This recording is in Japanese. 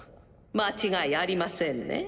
間違いありませんね？